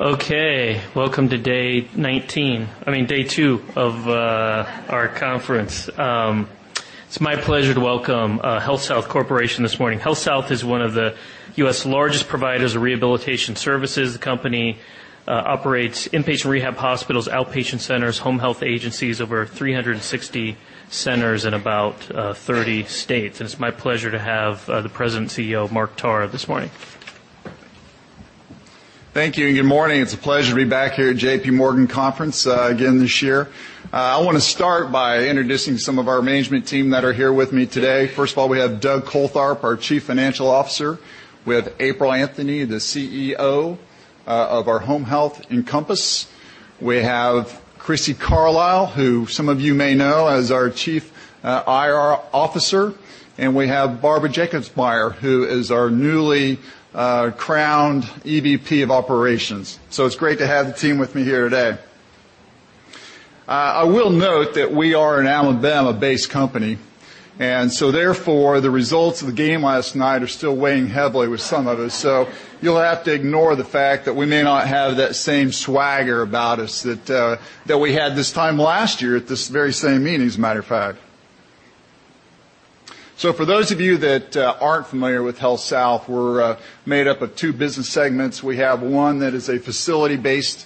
Okay. Welcome to day 19, I mean, day two of our conference. It's my pleasure to welcome HealthSouth Corporation this morning. HealthSouth is one of the U.S. largest providers of rehabilitation services. The company operates inpatient rehab hospitals, outpatient centers, home health agencies, over 360 centers in about 30 states. It's my pleasure to have the President CEO, Mark Tarr, this morning. Thank you, and good morning. It's a pleasure to be back here at J.P. Morgan conference again this year. I want to start by introducing some of our management team that are here with me today. First of all, we have Doug Coltharp, our Chief Financial Officer. We have April Anthony, the CEO of our Home Health Encompass. We have Crissy Carlisle, who some of you may know as our Chief IR Officer, and we have Barbara Jacobsmeyer, who is our newly crowned EVP of Operations. It's great to have the team with me here today. I will note that we are an Alabama-based company, therefore, the results of the game last night are still weighing heavily with some of us. You'll have to ignore the fact that we may not have that same swagger about us that we had this time last year at this very same meeting, as a matter of fact. For those of you that aren't familiar with HealthSouth, we're made up of two business segments. We have one that is a facility-based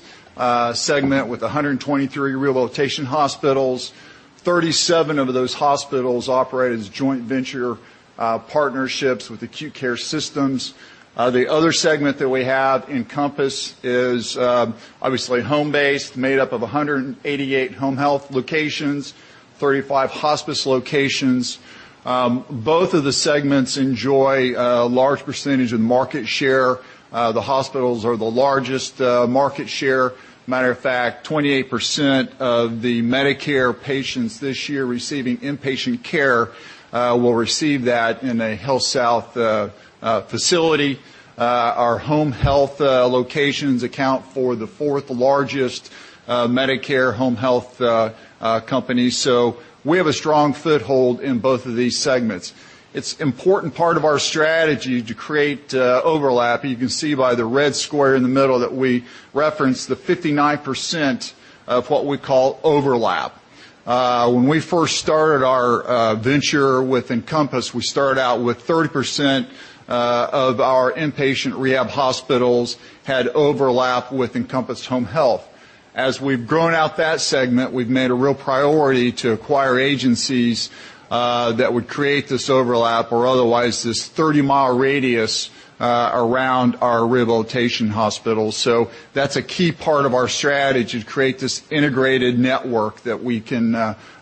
segment with 123 rehabilitation hospitals, 37 of those hospitals operate as joint venture partnerships with acute care systems. The other segment that we have, Encompass, is obviously home-based, made up of 188 home health locations, 35 hospice locations. Both of the segments enjoy a large percentage of market share. The hospitals are the largest market share. Matter of fact, 28% of the Medicare patients this year receiving inpatient care will receive that in a HealthSouth facility. Our home health locations account for the fourth-largest Medicare home health company. We have a strong foothold in both of these segments. It's important part of our strategy to create overlap. You can see by the red square in the middle that we reference the 59% of what we call overlap. When we first started our venture with Encompass, we started out with 30% of our inpatient rehab hospitals had overlap with Encompass Home Health. As we've grown out that segment, we've made a real priority to acquire agencies that would create this overlap or otherwise, this 30-mile radius around our rehabilitation hospital. That's a key part of our strategy to create this integrated network that we can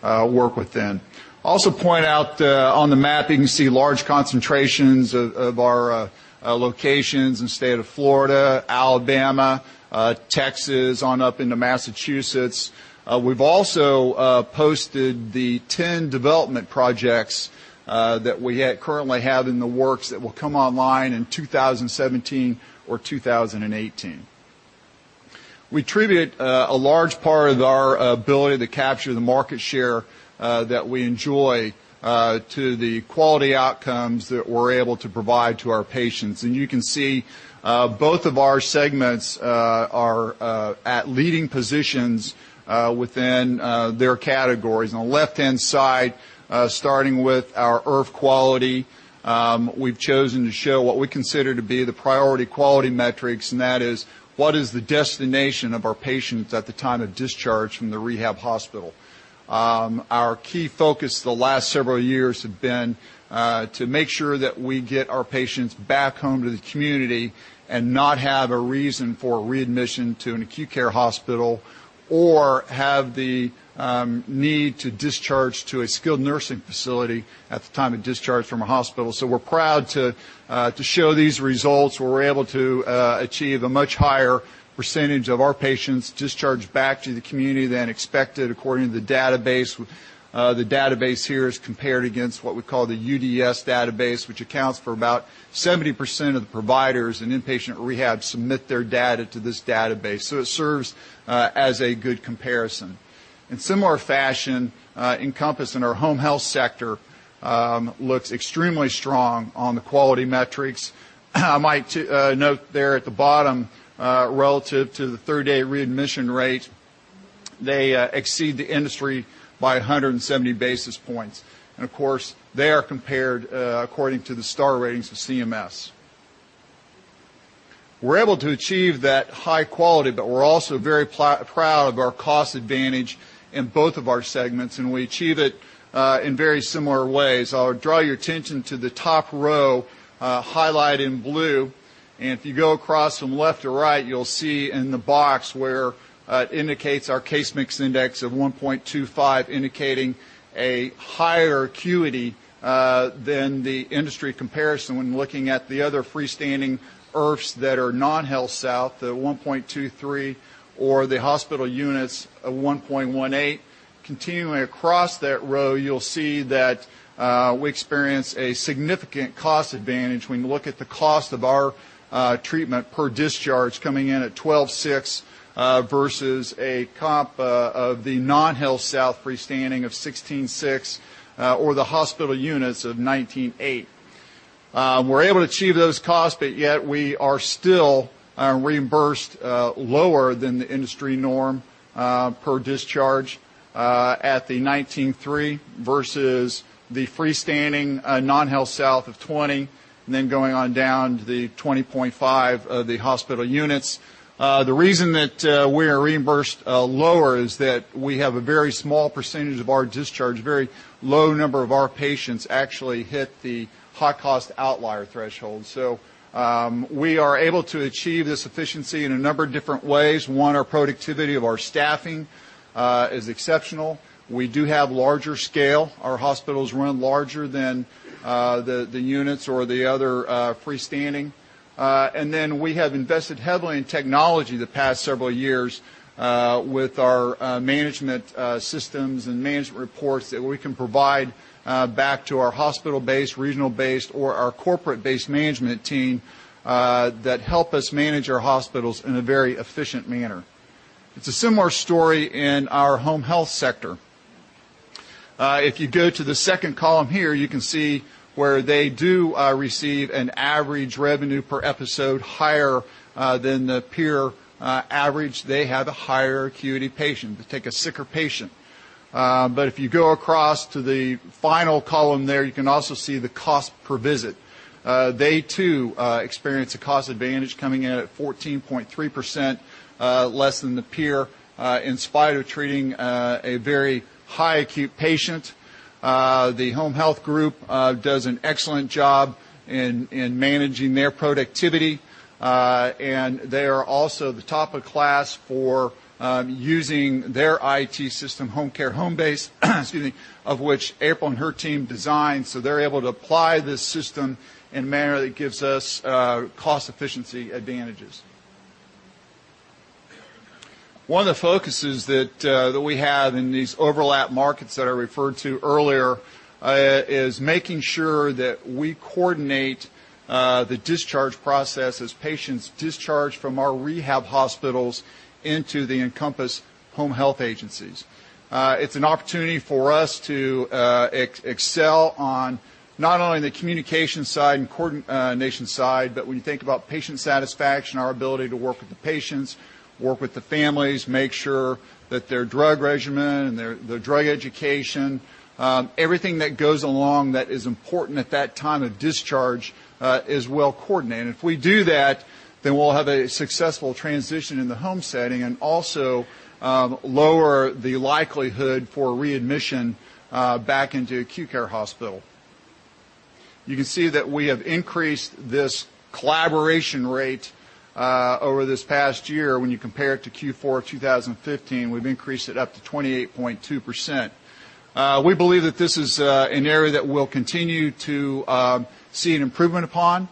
work within. Also point out on the map, you can see large concentrations of our locations in the state of Florida, Alabama, Texas, on up into Massachusetts. We've also posted the 10 development projects that we currently have in the works that will come online in 2017 or 2018. We attribute a large part of our ability to capture the market share that we enjoy to the quality outcomes that we're able to provide to our patients. You can see both of our segments are at leading positions within their categories. On the left-hand side, starting with our IRF quality, we've chosen to show what we consider to be the priority quality metrics, and that is what is the destination of our patients at the time of discharge from the rehab hospital. Our key focus the last several years have been to make sure that we get our patients back home to the community and not have a reason for readmission to an acute care hospital, or have the need to discharge to a skilled nursing facility at the time of discharge from a hospital. We're proud to show these results, where we're able to achieve a much higher percentage of our patients discharged back to the community than expected according to the database. The database here is compared against what we call the UDS database, which accounts for about 70% of the providers in inpatient rehab submit their data to this database, so it serves as a good comparison. In similar fashion, Encompass in our home health sector looks extremely strong on the quality metrics. I might note there at the bottom, relative to the third-day readmission rate, they exceed the industry by 170 basis points. Of course, they are compared according to the star ratings of CMS. We're able to achieve that high quality, but we're also very proud of our cost advantage in both of our segments, and we achieve it in very similar ways. I'll draw your attention to the top row, highlighted in blue, and if you go across from left to right, you'll see in the box where it indicates our case mix index of 1.25, indicating a higher acuity than the industry comparison when looking at the other freestanding IRFs that are non-HealthSouth, the 1.23, or the hospital units of 1.18. Continuing across that row, you'll see that we experience a significant cost advantage when you look at the cost of our treatment per discharge coming in at 12.6 versus a comp of the non-HealthSouth freestanding of 16.6, or the hospital units of 19.8. We're able to achieve those costs, but yet we are still reimbursed lower than the industry norm per discharge at the 19.3 versus the freestanding non-HealthSouth of 20, and then going on down to the 20.5 of the hospital units. The reason that we are reimbursed lower is that we have a very small percentage of our discharge, very low number of our patients actually hit the high-cost outlier threshold. We are able to achieve this efficiency in a number of different ways. One, our productivity of our staffing is exceptional. We do have larger scale. Our hospitals run larger than the units or the other freestanding. We have invested heavily in technology the past several years with our management systems and management reports that we can provide back to our hospital-based, regional-based, or our corporate-based management team that help us manage our hospitals in a very efficient manner. It's a similar story in our home health sector. If you go to the second column here, you can see where they do receive an average revenue per episode higher than the peer average. They have a higher acuity patient. They take a sicker patient. If you go across to the final column there, you can also see the cost per visit. They too experience a cost advantage coming in at 14.3% less than the peer, in spite of treating a very high acute patient. The home health group does an excellent job in managing their productivity. They are also the top of class for using their IT system, Homecare Homebase, excuse me, of which April and her team designed. They're able to apply this system in a manner that gives us cost efficiency advantages. One of the focuses that we have in these overlap markets that I referred to earlier is making sure that we coordinate the discharge process as patients discharge from our rehab hospitals into the Encompass home health agencies. It's an opportunity for us to excel on not only the communication side and coordination side, but when you think about patient satisfaction, our ability to work with the patients, work with the families, make sure that their drug regimen and their drug education everything that goes along that is important at that time of discharge is well coordinated. If we do that, we'll have a successful transition in the home setting and also lower the likelihood for readmission back into acute care hospital. You can see that we have increased this collaboration rate over this past year. When you compare it to Q4 2015, we've increased it up to 28.2%. We believe that this is an area that we'll continue to see an improvement upon.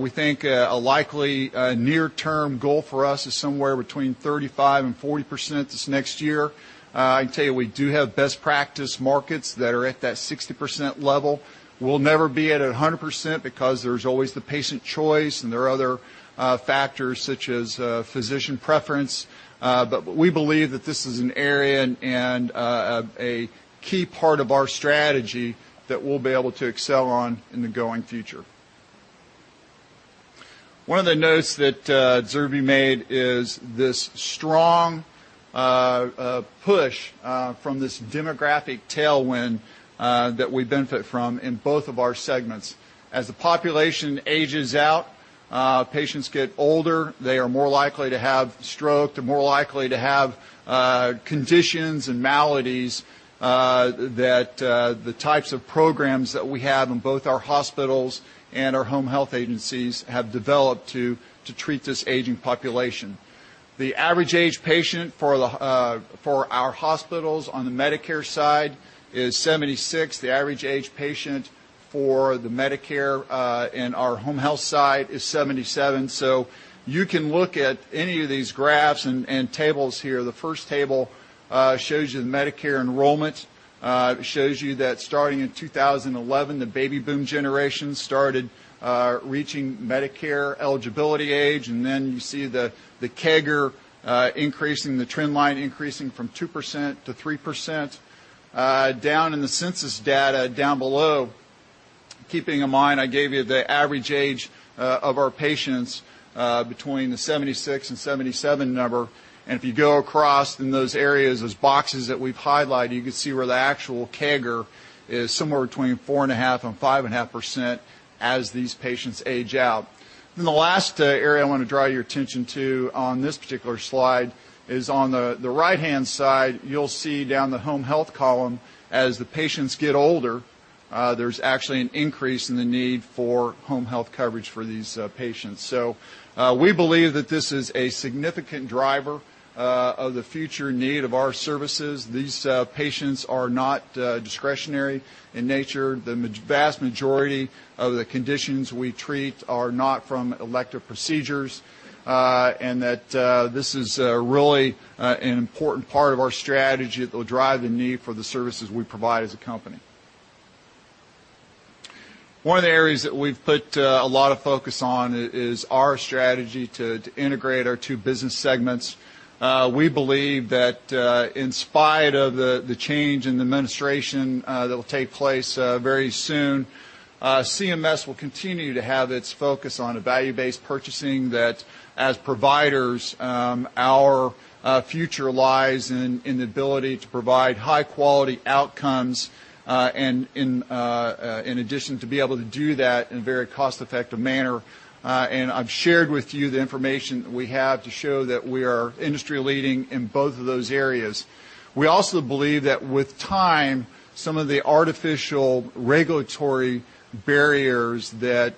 We think a likely near-term goal for us is somewhere between 35% and 40% this next year. I can tell you, we do have best practice markets that are at that 60% level. We'll never be at 100% because there's always the patient choice and there are other factors such as physician preference. We believe that this is an area and a key part of our strategy that we'll be able to excel on in the going future. One of the notes that Zirbi made is this strong push from this demographic tailwind that we benefit from in both of our segments. As the population ages out, patients get older, they are more likely to have stroke. They're more likely to have conditions and maladies that the types of programs that we have in both our hospitals and our home health agencies have developed to treat this aging population. The average age patient for our hospitals on the Medicare side is 76. The average age patient for the Medicare in our home health side is 77. You can look at any of these graphs and tables here. The first table shows you the Medicare enrollment. It shows you that starting in 2011, the baby boom generation started reaching Medicare eligibility age. You see the CAGR increasing, the trend line increasing from 2%-3%. Down in the census data down below, keeping in mind I gave you the average age of our patients between the 76 and 77 number, if you go across in those areas, those boxes that we've highlighted, you can see where the actual CAGR is somewhere between 4.5% and 5.5% as these patients age out. The last area I want to draw your attention to on this particular slide is on the right-hand side. You'll see down the home health column, as the patients get older, there's actually an increase in the need for home health coverage for these patients. We believe that this is a significant driver of the future need of our services. These patients are not discretionary in nature. The vast majority of the conditions we treat are not from elective procedures, that this is really an important part of our strategy that will drive the need for the services we provide as a company. One of the areas that we've put a lot of focus on is our strategy to integrate our two business segments. We believe that in spite of the change in the administration that'll take place very soon, CMS will continue to have its focus on value-based purchasing that as providers, our future lies in the ability to provide high-quality outcomes, in addition, to be able to do that in a very cost-effective manner. I've shared with you the information that we have to show that we are industry-leading in both of those areas. We also believe that with time, some of the artificial regulatory barriers that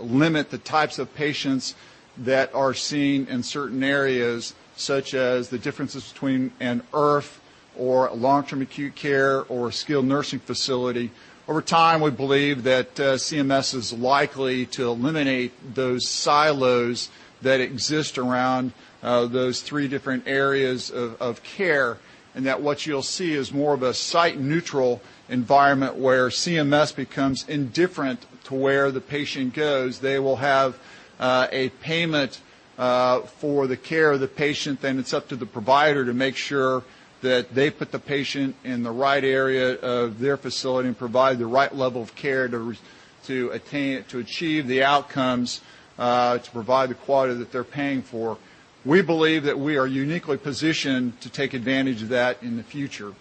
limit the types of patients that are seen in certain areas, such as the differences between an IRF or long-term acute care or skilled nursing facility, over time, we believe that CMS is likely to eliminate those silos that exist around those three different areas of care, that what you'll see is more of a site-neutral environment where CMS becomes indifferent to where the patient goes. They will have a payment for the care of the patient. It's up to the provider to make sure that they put the patient in the right area of their facility and provide the right level of care to achieve the outcomes to provide the quality that they're paying for. We believe that we are uniquely positioned to take advantage of that in the future.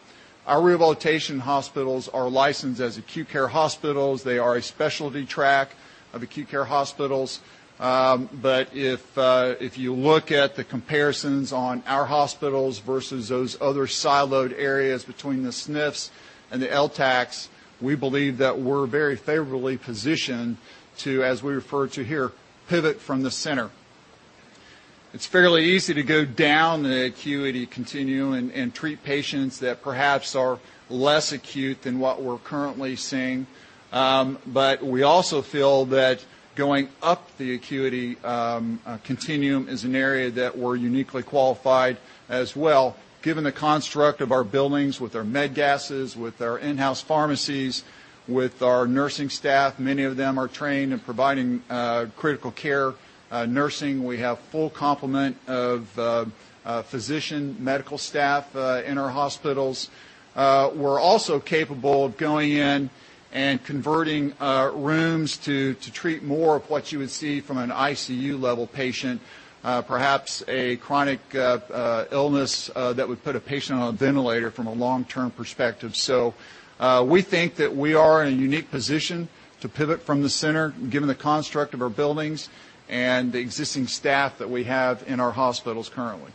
Our rehabilitation hospitals are licensed as acute care hospitals. They are a specialty track of acute care hospitals. If you look at the comparisons on our hospitals versus those other siloed areas between the SNFs and the LTCHs, we believe that we're very favorably positioned to, as we refer to here, pivot from the center. It's fairly easy to go down the acuity continuum and treat patients that perhaps are less acute than what we're currently seeing. We also feel that going up the acuity continuum is an area that we're uniquely qualified as well, given the construct of our buildings with our med gases, with our in-house pharmacies, with our nursing staff, many of them are trained in providing critical care nursing. We have full complement of physician medical staff in our hospitals. We're also capable of going in and converting rooms to treat more of what you would see from an ICU-level patient, perhaps a chronic illness that would put a patient on a ventilator from a long-term perspective. We think that we are in a unique position to pivot from the center, given the construct of our buildings and the existing staff that we have in our hospitals currently.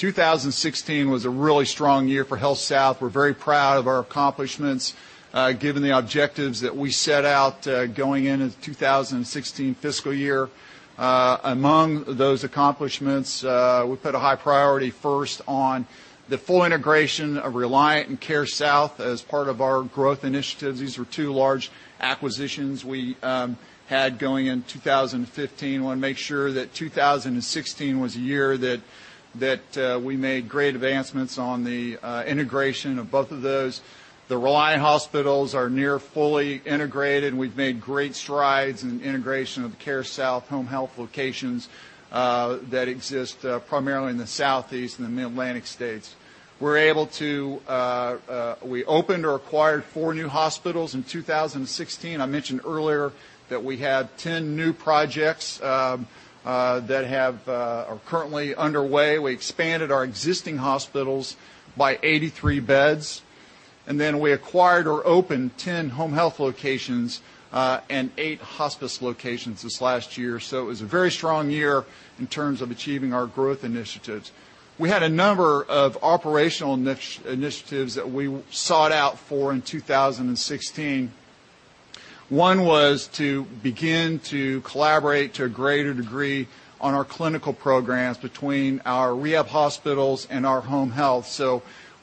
2016 was a really strong year for HealthSouth. We're very proud of our accomplishments, given the objectives that we set out going into the 2016 fiscal year. Among those accomplishments, we put a high priority first on the full integration of Reliant and CareSouth as part of our growth initiatives. These were two large acquisitions we had going into 2015. We want to make sure that 2016 was a year that we made great advancements on the integration of both of those. The Reliant hospitals are near fully integrated, and we've made great strides in integration of CareSouth Home Health locations that exist primarily in the Southeast and the Mid-Atlantic states. We opened or acquired four new hospitals in 2016. I mentioned earlier that we had 10 new projects that are currently underway. We expanded our existing hospitals by 83 beds, and then we acquired or opened 10 home health locations and eight hospice locations this last year. It was a very strong year in terms of achieving our growth initiatives. We had a number of operational initiatives that we sought out for in 2016. One was to begin to collaborate to a greater degree on our clinical programs between our rehab hospitals and our home health.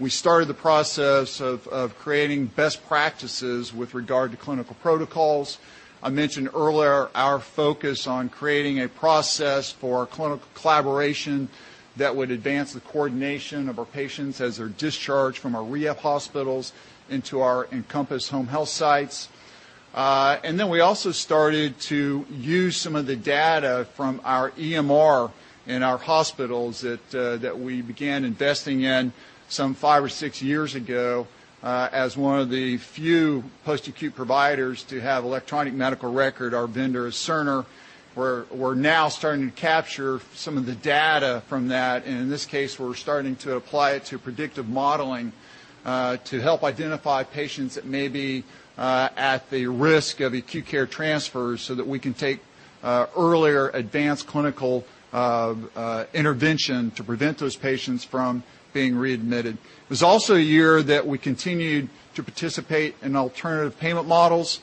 We started the process of creating best practices with regard to clinical protocols. I mentioned earlier our focus on creating a process for clinical collaboration that would advance the coordination of our patients as they're discharged from our rehab hospitals into our Encompass Home Health sites. We also started to use some of the data from our EMR in our hospitals that we began investing in some five or six years ago as one of the few post-acute providers to have electronic medical record. Our vendor is Cerner. We're now starting to capture some of the data from that, and in this case, we're starting to apply it to predictive modeling to help identify patients that may be at the risk of acute care transfers so that we can take earlier advanced clinical intervention to prevent those patients from being readmitted. It was also a year that we continued to participate in alternative payment models,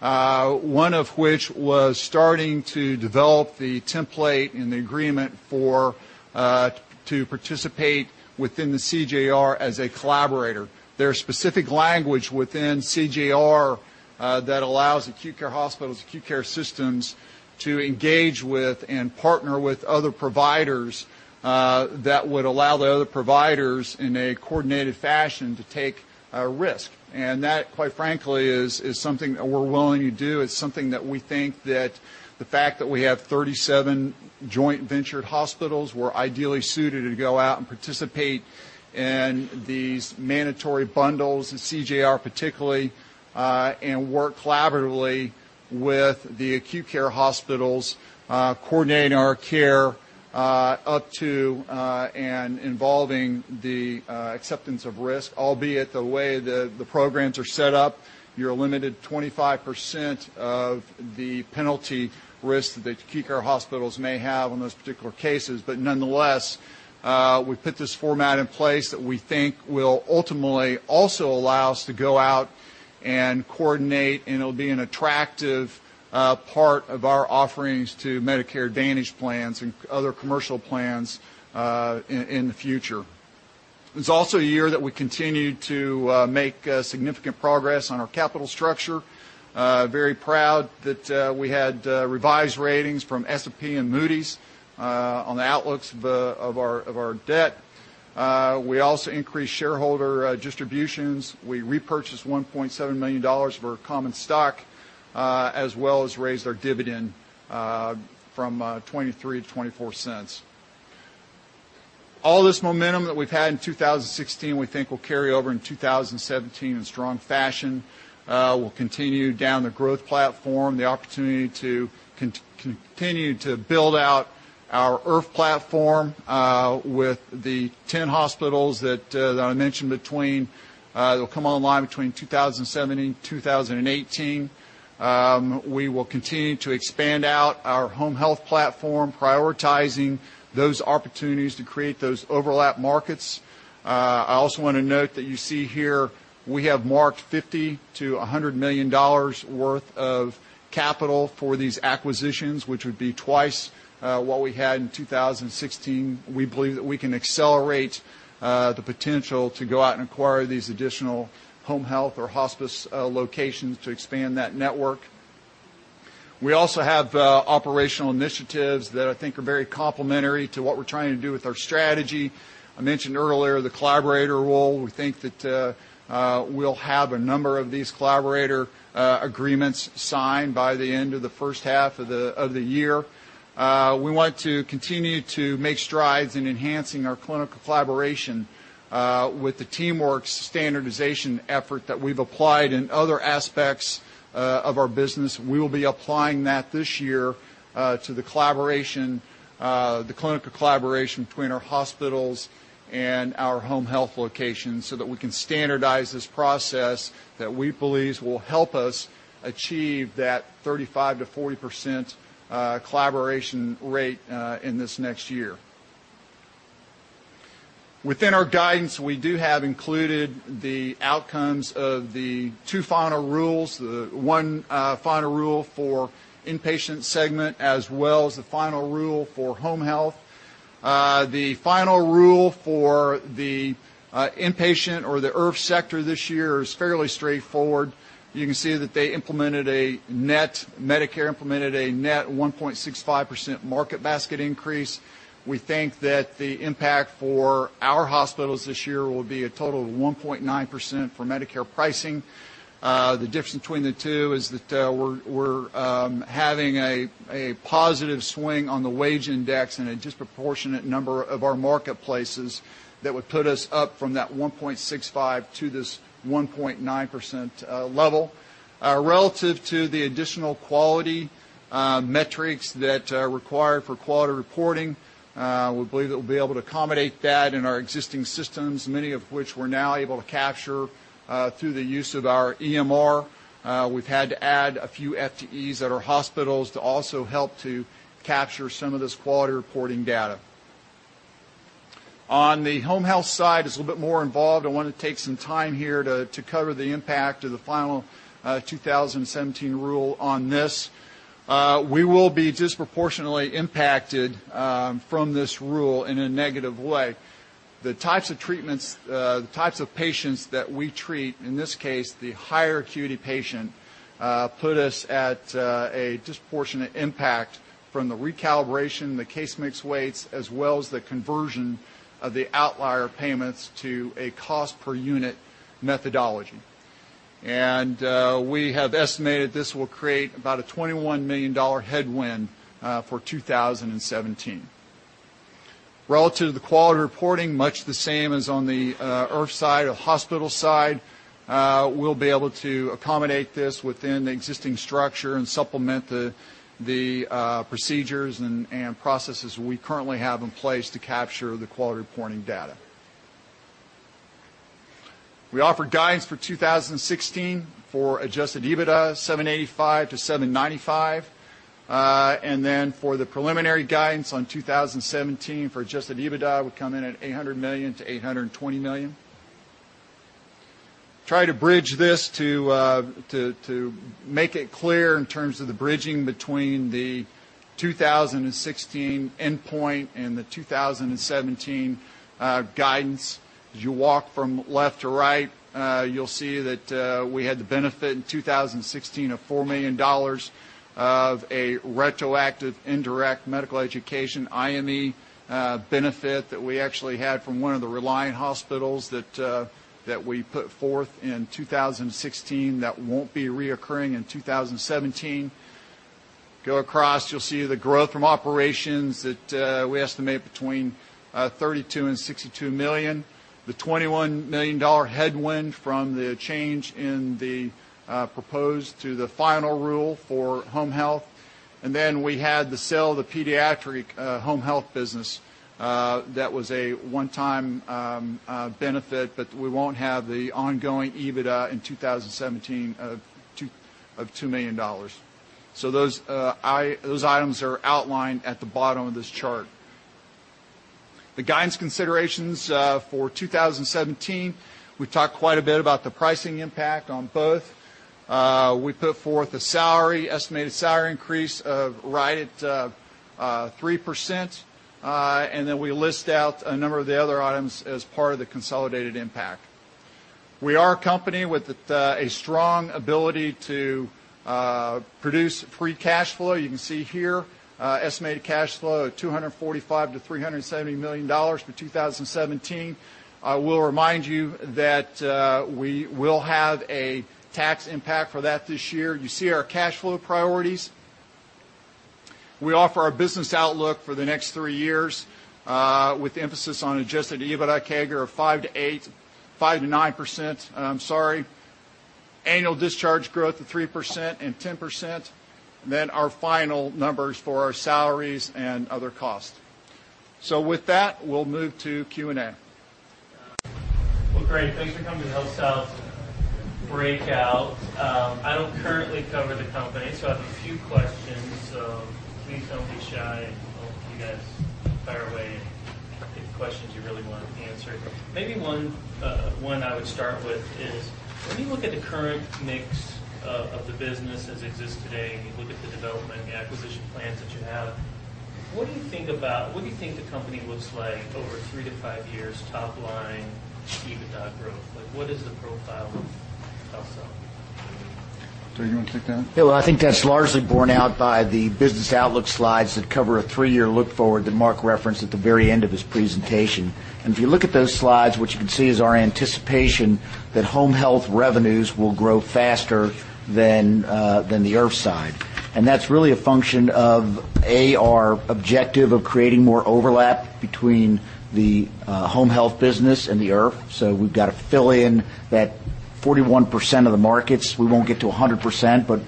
one of which was starting to develop the template and the agreement to participate within the CJR as a collaborator. There's specific language within CJR that allows acute care hospitals, acute care systems to engage with and partner with other providers that would allow the other providers, in a coordinated fashion, to take a risk. That, quite frankly, is something that we're willing to do. It's something that we think that the fact that we have 37 joint ventured hospitals, we're ideally suited to go out and participate in these mandatory bundles, the CJR particularly, and work collaboratively with the acute care hospitals, coordinating our care up to and involving the acceptance of risk, albeit the way the programs are set up, you're limited 25% of the penalty risk that the acute care hospitals may have on those particular cases. Nonetheless, we put this format in place that we think will ultimately also allow us to go out and coordinate, and it'll be an attractive part of our offerings to Medicare Advantage plans and other commercial plans in the future. It's also a year that we continued to make significant progress on our capital structure. Very proud that we had revised ratings from S&P and Moody's on the outlooks of our debt. We also increased shareholder distributions. We repurchased $1.7 million of our common stock, as well as raised our dividend from $0.23 to $0.24. All this momentum that we've had in 2016, we think will carry over in 2017 in strong fashion. We'll continue down the growth platform, the opportunity to continue to build out our IRF platform with the 10 hospitals that I mentioned, that'll come online between 2017, 2018. We will continue to expand out our home health platform, prioritizing those opportunities to create those overlap markets. I also want to note that you see here we have marked $50 million to $100 million worth of capital for these acquisitions, which would be twice what we had in 2016. We believe that we can accelerate the potential to go out and acquire these additional home health or hospice locations to expand that network. We also have operational initiatives that I think are very complementary to what we're trying to do with our strategy. I mentioned earlier the collaborator role. We think that we'll have a number of these collaborator agreements signed by the end of the first half of the year. We want to continue to make strides in enhancing our clinical collaboration with the TeamWorks standardization effort that we've applied in other aspects of our business. We will be applying that this year to the clinical collaboration between our hospitals and our home health locations so that we can standardize this process that we believe will help us achieve that 35%-40% collaboration rate in this next year. Within our guidance, we do have included the outcomes of the two final rules, the one final rule for inpatient segment, as well as the final rule for home health. The final rule for the inpatient or the IRF sector this year is fairly straightforward. You can see that Medicare implemented a net 1.65% market basket increase. We think that the impact for our hospitals this year will be a total of 1.9% for Medicare pricing. The difference between the two is that we're having a positive swing on the wage index and a disproportionate number of our marketplaces that would put us up from that 1.65% to this 1.9% level. Relative to the additional quality metrics that are required for quality reporting, we believe that we'll be able to accommodate that in our existing systems, many of which we're now able to capture through the use of our EMR. We've had to add a few FTEs at our hospitals to also help to capture some of this quality reporting data. On the home health side, it's a little bit more involved. I want to take some time here to cover the impact of the final 2017 rule on this. We will be disproportionately impacted from this rule in a negative way. The types of patients that we treat, in this case, the higher acuity patient, put us at a disproportionate impact from the recalibration, the case mix weights, as well as the conversion of the outlier payments to a cost per unit methodology. We have estimated this will create about a $21 million headwind for 2017. Relative to the quality reporting, much the same as on the IRF side or hospital side, we'll be able to accommodate this within the existing structure and supplement the procedures and processes we currently have in place to capture the quality reporting data. We offer guidance for 2016 for adjusted EBITDA $785 million-$795 million. For the preliminary guidance on 2017 for adjusted EBITDA would come in at $800 million-$820 million. Try to bridge this to make it clear in terms of the bridging between the 2016 endpoint and the 2017 guidance. As you walk from left to right, you'll see that we had the benefit in 2016 of $4 million of a retroactive indirect medical education, IME, benefit that we actually had from one of the Reliant hospitals that we put forth in 2016 that won't be reoccurring in 2017. Go across, you'll see the growth from operations that we estimate between $32 million and $62 million. The $21 million headwind from the change in the proposed to the final rule for home health. We had the sale of the pediatric home health business. That was a one-time benefit, but we won't have the ongoing EBITDA in 2017 of $2 million. Those items are outlined at the bottom of this chart. The guidance considerations, for 2017, we talked quite a bit about the pricing impact on both. We put forth an estimated salary increase right at 3%, then we list out a number of the other items as part of the consolidated impact. We are a company with a strong ability to produce free cash flow. You can see here, estimated cash flow of $245 million-$370 million for 2017. I will remind you that we will have a tax impact for that this year. You see our cash flow priorities. We offer our business outlook for the next three years, with the emphasis on adjusted EBITDA CAGR of 5%-8%, 5%-9%, I'm sorry. Annual discharge growth of 3% and 10%, our final numbers for our salaries and other costs. With that, we'll move to Q&A. Well, great. Thanks for coming to the HealthSouth breakout. I don't currently cover the company, so I have a few questions. Please don't be shy, and I hope you guys fire away and get the questions you really want answered. Maybe one I would start with is, when you look at the current mix of the business as it exists today, and you look at the development and the acquisition plans that you have, what do you think the company looks like over three to five years, top-line EBITDA growth? What is the profile of HealthSouth? Doug, do you want to take that? Yeah. Well, I think that's largely borne out by the business outlook slides that cover a three-year look-forward that Mark referenced at the very end of his presentation. If you look at those slides, what you can see is our anticipation that home health revenues will grow faster than the IRF side. That's really a function of, A, our objective of creating more overlap between the home health business and the IRF. We've got to fill in that 41% of the markets. We won't get to 100%, but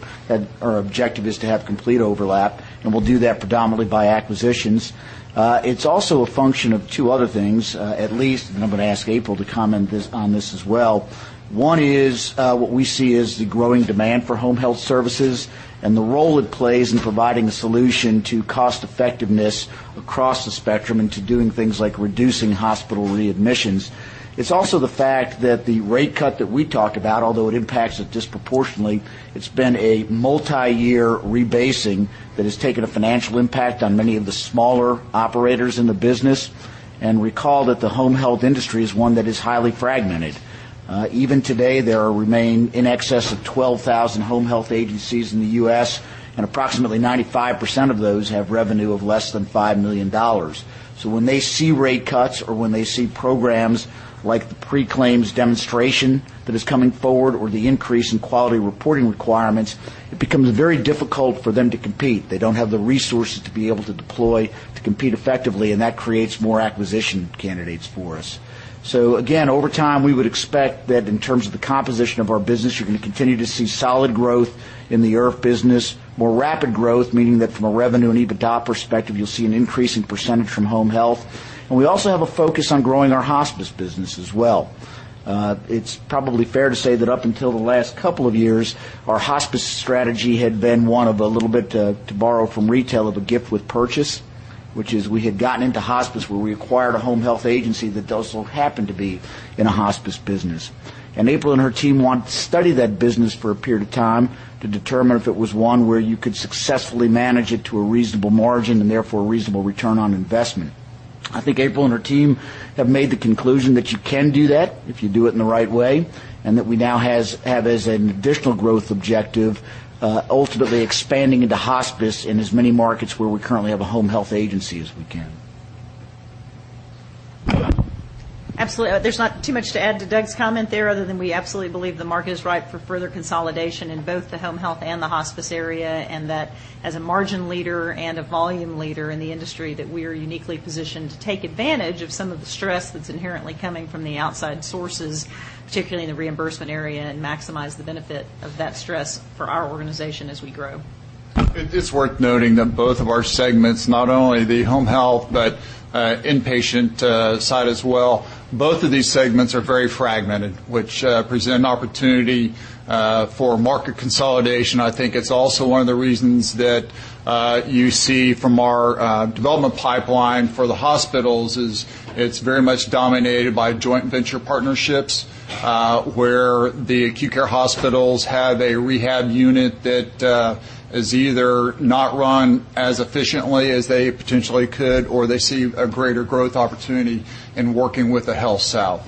our objective is to have complete overlap, and we'll do that predominantly by acquisitions. It's also a function of two other things, at least, and I'm going to ask April to comment on this as well. One is what we see is the growing demand for home health services and the role it plays in providing a solution to cost-effectiveness across the spectrum into doing things like reducing hospital readmissions. It's also the fact that the rate cut that we talked about, although it impacts it disproportionately, it's been a multi-year rebasing that has taken a financial impact on many of the smaller operators in the business. Recall that the home health industry is one that is highly fragmented. Even today, there remain in excess of 12,000 home health agencies in the U.S., and approximately 95% of those have revenue of less than $5 million. When they see rate cuts or when they see programs like the pre-claim demonstration that is coming forward or the increase in quality reporting requirements, it becomes very difficult for them to compete. They don't have the resources to be able to deploy to compete effectively, that creates more acquisition candidates for us. Again, over time, we would expect that in terms of the composition of our business, you're going to continue to see solid growth in the IRF business, more rapid growth, meaning that from a revenue and EBITDA perspective, you'll see an increase in percentage from home health. We also have a focus on growing our hospice business as well. It's probably fair to say that up until the last couple of years, our hospice strategy had been one of a little bit, to borrow from retail, of a gift with purchase, which is we had gotten into hospice where we acquired a home health agency that also happened to be in a hospice business. April and her team wanted to study that business for a period of time to determine if it was one where you could successfully manage it to a reasonable margin and therefore a reasonable return on investment. I think April and her team have made the conclusion that you can do that if you do it in the right way, that we now have as an additional growth objective, ultimately expanding into hospice in as many markets where we currently have a home health agency as we can. Absolutely. There's not too much to add to Doug's comment there, other than we absolutely believe the market is ripe for further consolidation in both the home health and the hospice area, that as a margin leader and a volume leader in the industry, that we are uniquely positioned to take advantage of some of the stress that's inherently coming from the outside sources, particularly in the reimbursement area, maximize the benefit of that stress for our organization as we grow. It is worth noting that both of our segments, not only the home health, but inpatient side as well, both of these segments are very fragmented, which present an opportunity for market consolidation. I think it's also one of the reasons that you see from our development pipeline for the hospitals is it's very much dominated by joint venture partnerships, where the acute care hospitals have a rehab unit that is either not run as efficiently as they potentially could, or they see a greater growth opportunity in working with a HealthSouth.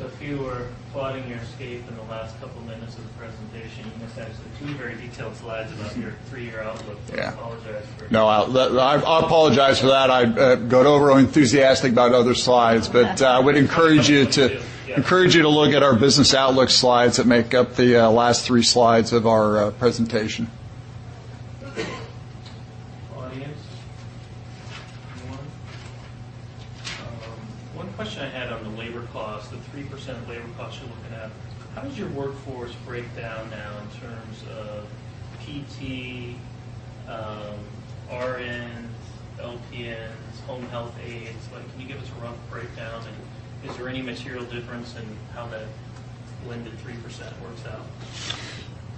If you were plotting your escape in the last couple of minutes of the presentation, you missed actually two very detailed slides about your three-year outlook. Yeah. I apologize for- No, I'll apologize for that. I got over-enthusiastic about other slides, but I would encourage you to look at our business outlook slides that make up the last three slides of our presentation. Audience? Anyone? One question I had on the labor cost, the 3% labor cost you're looking at, how does your workforce break down now in terms of PT, RNs, LPNs, home health aides? Can you give us a rough breakdown? Is there any material difference in how the blended 3% works out?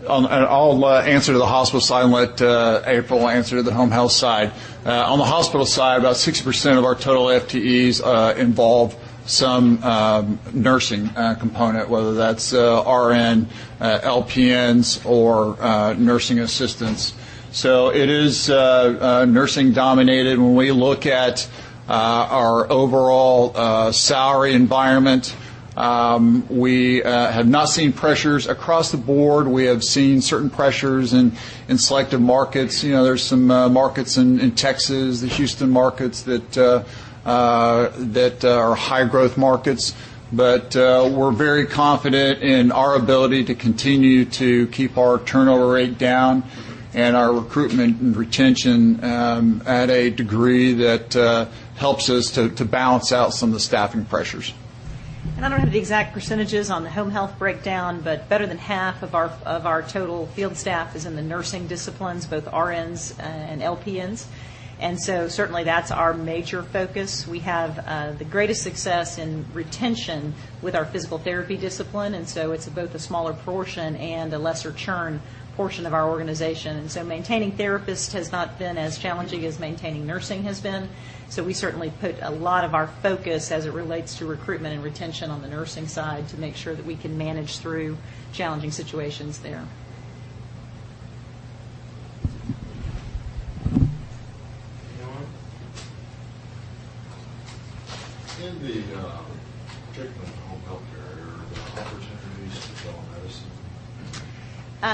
I'll answer to the hospital side and let April Anthony answer to the home health side. On the hospital side, about 60% of our total FTEs involve some nursing component, whether that's RN, LPNs, or nursing assistants. It is nursing-dominated. When we look at our overall salary environment, we have not seen pressures across the board. We have seen certain pressures in selective markets. There's some markets in Texas, the Houston markets, that are high-growth markets. We're very confident in our ability to continue to keep our turnover rate down and our recruitment and retention at a degree that helps us to balance out some of the staffing pressures. I don't have the exact percentages on the home health breakdown, but better than half of our total field staff is in the nursing disciplines, both RNs and LPNs, certainly, that's our major focus. We have the greatest success in retention with our physical therapy discipline, it's both a smaller portion and a lesser churn portion of our organization. Maintaining therapists has not been as challenging as maintaining nursing has been, we certainly put a lot of our focus as it relates to recruitment and retention on the nursing side to make sure that we can manage through challenging situations there. Anyone? In the treatment and home health care area, are there opportunities for telemedicine?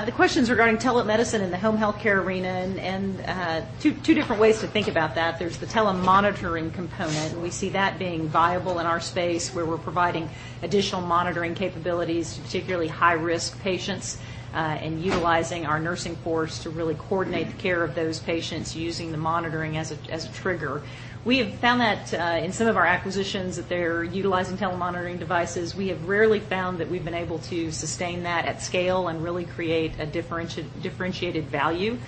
The question's regarding telemedicine in the home health care arena, two different ways to think about that. There's the telemonitoring component. We see that being viable in our space, where we're providing additional monitoring capabilities to particularly high-risk patients, utilizing our nursing force to really coordinate the care of those patients using the monitoring as a trigger. We have found that in some of our acquisitions, that they're utilizing telemonitoring devices. We have rarely found that we've been able to sustain that at scale and really create a differentiated value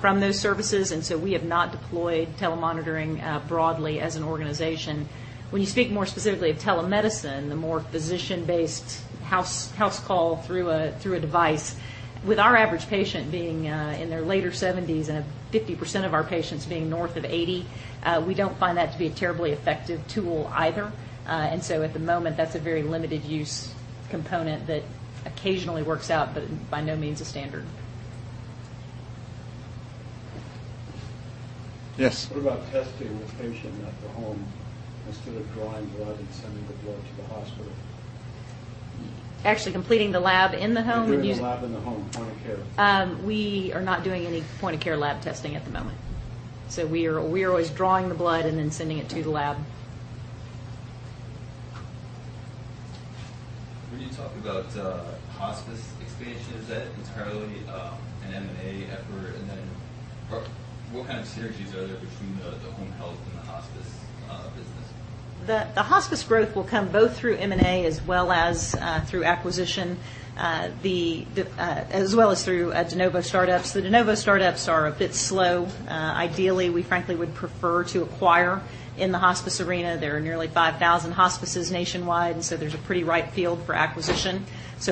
from those services, we have not deployed telemonitoring broadly as an organization. When you speak more specifically of telemedicine, the more physician-based house call through a device, with our average patient being in their later 70s and 50% of our patients being north of 80, we don't find that to be a terribly effective tool either. At the moment, that's a very limited use component that occasionally works out, but by no means a standard. Yes. What about testing the patient at the home instead of drawing blood and sending the blood to the hospital? Actually completing the lab in the home? Doing the lab in the home, point of care. We are not doing any point-of-care lab testing at the moment. We are always drawing the blood and then sending it to the lab. When you talk about hospice expansion, is that entirely an M&A effort? What kind of synergies are there between the home health and the hospice business? The hospice growth will come both through M&A as well as through acquisition, as well as through de novo startups. The de novo startups are a bit slow. Ideally, we frankly would prefer to acquire in the hospice arena. There are nearly 5,000 hospices nationwide, there's a pretty ripe field for acquisition.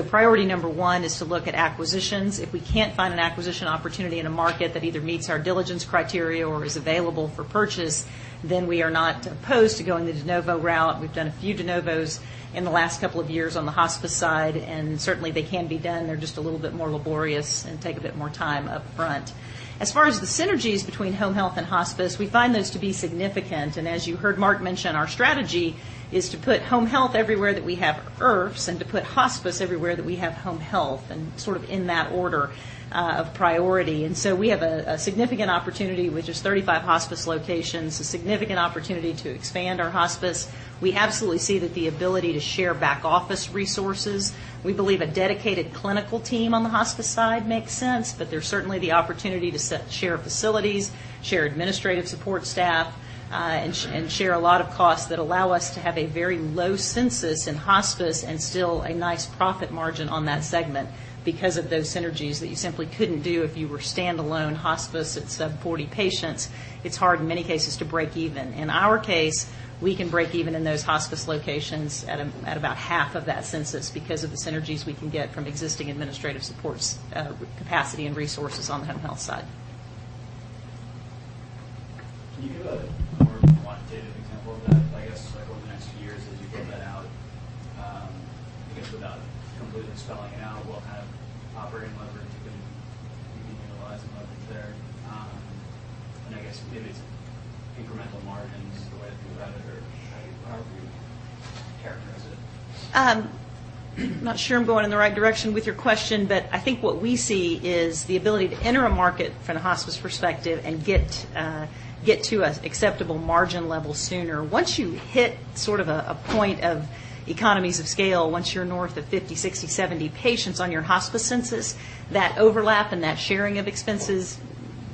Priority number one is to look at acquisitions. If we can't find an acquisition opportunity in a market that either meets our diligence criteria or is available for purchase, we are not opposed to going the de novo route. We've done a few de novos in the last couple of years on the hospice side, certainly, they can be done. They're just a little bit more laborious and take a bit more time up front. The synergies between home health and hospice, we find those to be significant. As you heard Mark mention, our strategy is to put home health everywhere that we have IRFs and to put hospice everywhere that we have home health, sort of in that order of priority. We have a significant opportunity with just 35 hospice locations, a significant opportunity to expand our hospice. We absolutely see that the ability to share back-office resources. We believe a dedicated clinical team on the hospice side makes sense, but there's certainly the opportunity to share facilities, share administrative support staff, and share a lot of costs that allow us to have a very low census in hospice and still a nice profit margin on that segment because of those synergies that you simply couldn't do if you were standalone hospice at sub-40 patients. It's hard in many cases to break even. In our case, we can break even in those hospice locations at about half of that census because of the synergies we can get from existing administrative support capacity and resources on the home health side. Can you give a more quantitative example of that? I guess, over the next few years as you build that out, I guess without completely spelling it out, what kind of operating leverage you can? I guess maybe it's incremental margins, the way I view that, or how do you characterize it? I'm not sure I'm going in the right direction with your question, but I think what we see is the ability to enter a market from the hospice perspective and get to an acceptable margin level sooner. Once you hit sort of a point of economies of scale, once you're north of 50, 60, 70 patients on your hospice census, that overlap and that sharing of expenses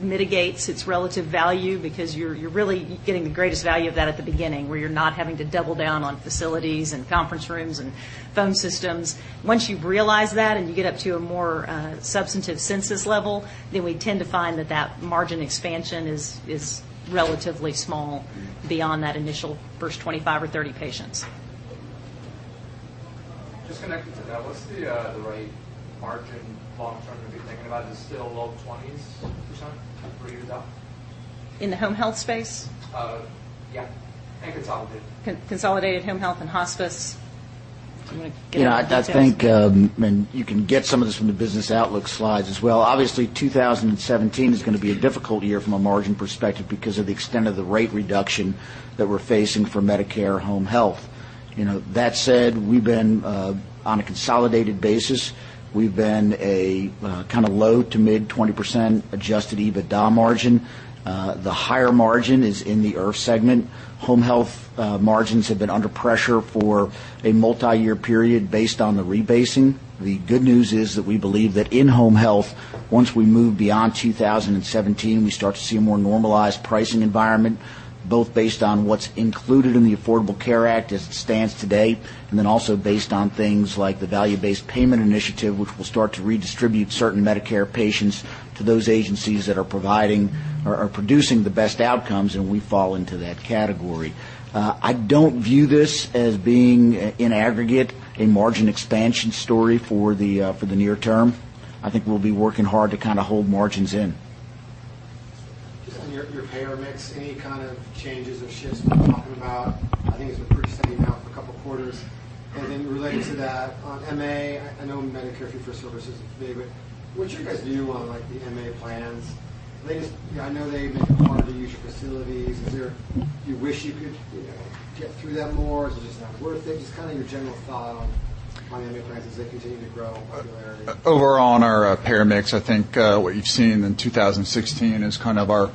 mitigates its relative value because you're really getting the greatest value of that at the beginning, where you're not having to double down on facilities and conference rooms and phone systems. Once you realize that, and you get up to a more substantive census level, then we tend to find that that margin expansion is relatively small beyond that initial first 25 or 30 patients. Just connected to that, what's the right margin long-term to be thinking about? Is it still low 20s%, where you're done? In the home health space? Yeah, consolidated. Consolidated Home Health and Hospice? Do you want get into that, Jeff? Yeah, I think you can get some of this from the business outlook slides as well. Obviously, 2017 is going to be a difficult year from a margin perspective because of the extent of the rate reduction that we're facing for Medicare home health. That said, on a consolidated basis, we've been a kind of low to mid 20% adjusted EBITDA margin. The higher margin is in the IRF segment. Home health margins have been under pressure for a multi-year period based on the rebasing. The good news is that we believe that in-home health, once we move beyond 2017, we start to see a more normalized pricing environment, both based on what's included in the Affordable Care Act as it stands today, also based on things like the value-based payment initiative, which will start to redistribute certain Medicare patients to those agencies that are providing or are producing the best outcomes, and we fall into that category. I don't view this as being, in aggregate, a margin expansion story for the near term. I think we'll be working hard to kind of hold margins in. Just on your payer mix, any kind of changes or shifts worth talking about? I think it's been pretty steady now for a couple of quarters. Related to that, on MA, I know Medicare Fee-For-Service is big, but what's your guys view on the MA plans? I know they make them part of the usual facilities. Do you wish you could get through that more? Is it just not worth it? Just your general thought on MA plans as they continue to grow in popularity. Overall on our payer mix, I think what you've seen in 2016 is kind of our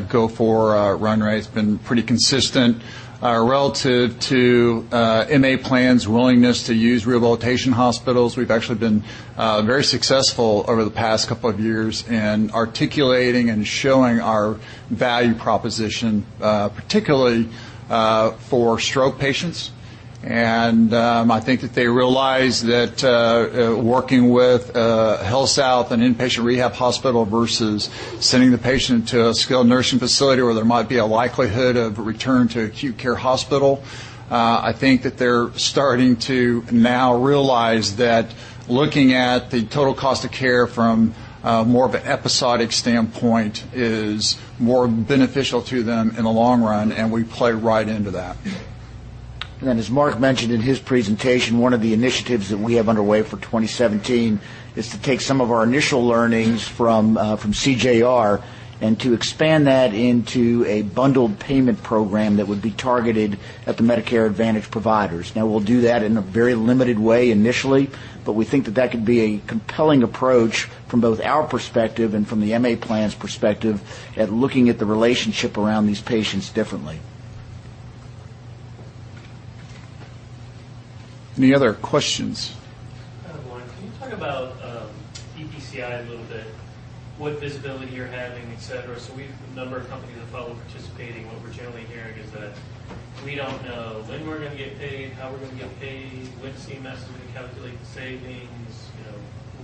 go-for run rate's been pretty consistent. Relative to MA plans' willingness to use rehabilitation hospitals, we've actually been very successful over the past couple of years in articulating and showing our value proposition, particularly for stroke patients. I think that they realize that working with HealthSouth, an inpatient rehab hospital versus sending the patient to a skilled nursing facility where there might be a likelihood of a return to acute care hospital. I think that they're starting to now realize that looking at the total cost of care from more of an episodic standpoint is more beneficial to them in the long run, and we play right into that. As Mark mentioned in his presentation, one of the initiatives that we have underway for 2017 is to take some of our initial learnings from CJR and to expand that into a bundled payment program that would be targeted at the Medicare Advantage providers. Now we'll do that in a very limited way initially, but we think that that could be a compelling approach from both our perspective and from the MA plan's perspective at looking at the relationship around these patients differently. Any other questions? I have one. Can you talk about BPCI a little bit, what visibility you're having, et cetera? We have a number of companies that follow participating. What we're generally hearing is that we don't know when we're going to get paid, how we're going to get paid, when CMS is going to calculate the savings.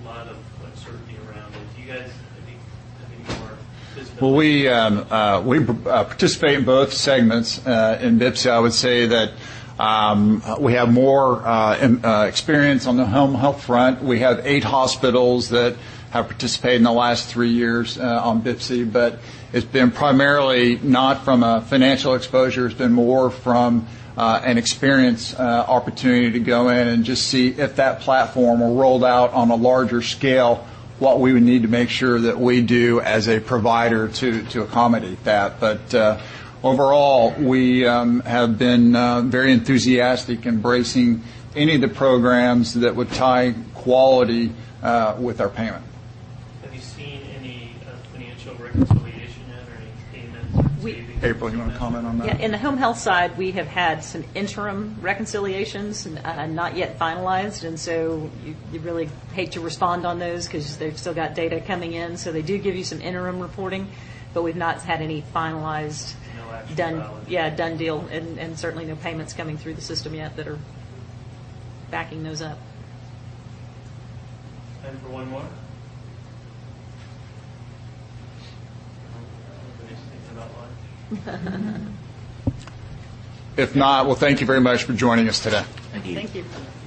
A lot of uncertainty around it. Do you guys have any more visibility? We participate in both segments in BPCI. I would say that we have more experience on the home health front. We have eight hospitals that have participated in the last three years on BPCI, it's been primarily not from a financial exposure, it's been more from an experience opportunity to go in and just see if that platform will roll out on a larger scale, what we would need to make sure that we do as a provider to accommodate that. Overall, we have been very enthusiastic embracing any of the programs that would tie quality with our payment. Have you seen any financial reconciliation yet or any payments or savings from CMS? April, you want to comment on that? Yeah. In the home health side, we have had some interim reconciliations, not yet finalized. You really hate to respond on those because they've still got data coming in. They do give you some interim reporting, but we've not had any. No actual dollars. Yeah, done deal, certainly no payments coming through the system yet that are backing those up. Time for one more. I hope everybody's thinking about lunch. If not, well, thank you very much for joining us today. Thank you. Thank you.